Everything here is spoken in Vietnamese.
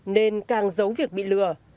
nên càng giấu việc bị lừa